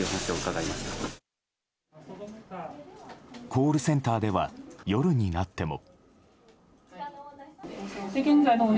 コールセンターでは夜になっても。